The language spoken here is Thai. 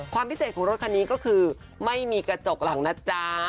ความพิเศษของรถคันนี้ก็คือไม่มีกระจกหลังนะจ๊ะ